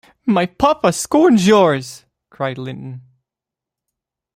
‘My papa scorns yours!’ cried Linton.